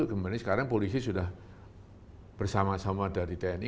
kemudian sekarang polisi sudah bersama sama dari tni